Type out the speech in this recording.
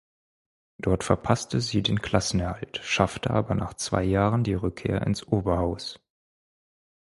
Dort verpasste sie den Klassenerhalt, schaffte aber nach zwei Jahren die Rückkehr ins Oberhaus.